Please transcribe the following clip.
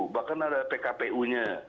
bahkan ada pkpu nya